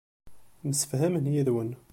Msefhamen yid-wen.